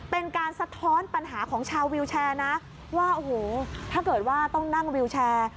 เป็นการสะท้อนปัญหาของชาววิวแชร์นะว่าโอ้โหถ้าเกิดว่าต้องนั่งวิวแชร์